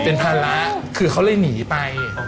เป็นภาระคือเขาเลยหนีไป